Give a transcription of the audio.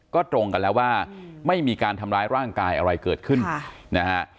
ก็ตรงกันแล้วว่าไม่มีการทำร้ายร่างกายอะไรเกิดขึ้นนะฮะ